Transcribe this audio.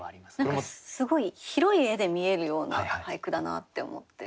何かすごい広い絵で見えるような俳句だなって思って。